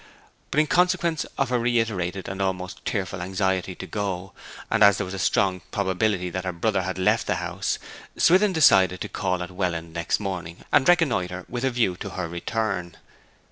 But in consequence of her reiterated and almost tearful anxiety to go, and as there was a strong probability that her brother had left the house, Swithin decided to call at Welland next morning, and reconnoitre with a view to her return.